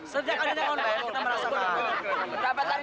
sejak ada yang ngomong baik kita merasakan